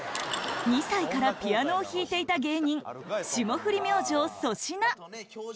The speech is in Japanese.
２歳からピアノを弾いていた芸人、霜降り明星・粗品